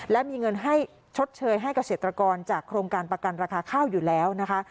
และมีเงินให้ชดเชยให้เกษตรกรจากโครงการประกันราคาข้าวอยู่แล้วนะคะ